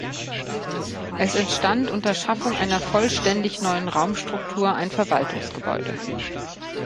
Es entstand unter Schaffung einer vollständig neuen Raumstruktur ein Verwaltungsgebäude.